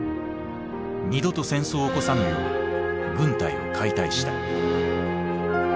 二度と戦争を起こさぬよう軍隊を解体した。